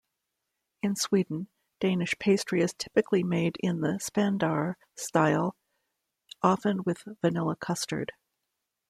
In Sweden, Danish pastry is typically made in the Spandauer-style, often with vanilla custard.